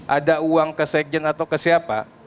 ada uang ke sekjen atau ke siapa